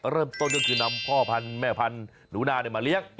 เริ่มต้นก็คือนำพ่อพันธุ์แม่พันธุ์หนูนามาเลี้ยง